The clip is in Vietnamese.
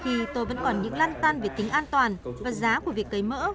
khi tôi vẫn còn những lan tăn về tính an toàn và giá của việc cấy mỡ